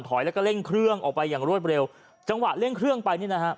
แล้วก็เร่งเครื่องออกไปอย่างรวดเร็วจังหวะเร่งเครื่องไปนี่นะฮะ